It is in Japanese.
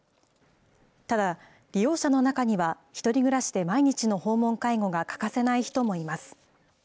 ただ、利用者の中には、１人暮らしで毎日の訪問介護が欠かせない人もいます。